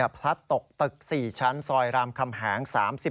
พลัดตกตึก๔ชั้นซอยรามคำแหง๓๔